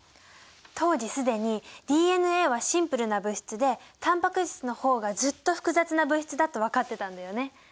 当時既にＤＮＡはシンプルな物質でタンパク質の方がずっと複雑な物質だと分かってたんだよね。